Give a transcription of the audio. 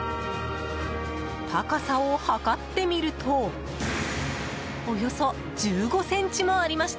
高さを測ってみるとおよそ１５ｃｍもありました。